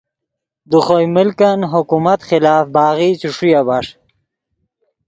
دے خوئے ملکن حکومت خلاف باغی چے ݰویا بݰ